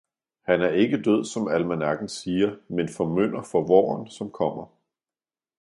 Han er ikke død, som almanakken siger, men formynder for våren, som kommer!